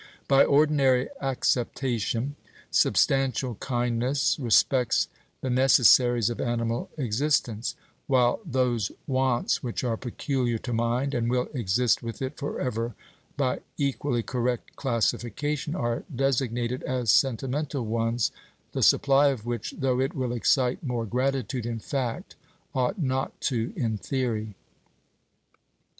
By ordinary acceptation, substantial kindness respects the necessaries of animal existence; while those wants which are peculiar to mind, and will exist with it forever, by equally correct classification, are designated as sentimental ones, the supply of which, though it will excite more gratitude in fact, ought not to in theory.